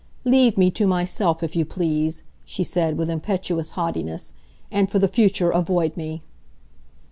"Leave me to myself, if you please," she said, with impetuous haughtiness, "and for the future avoid me."